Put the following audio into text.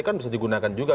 kan bisa digunakan juga